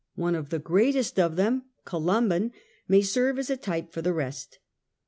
One of the greatest of them, Columban, may serve as a* type for the rest.